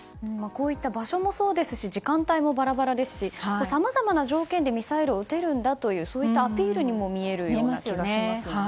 こういった場所もそうですし時間帯もバラバラですしさまざまな条件でミサイルを撃てるんだというそういったアピールにも見える気がしますね。